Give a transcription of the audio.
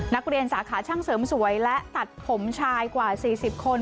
นักเรียนสาขาช่างเสริมสวยและตัดผมชายกว่า๔๐คน